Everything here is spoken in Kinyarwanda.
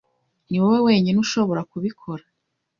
Niwowe wenyine ushobora kubikora.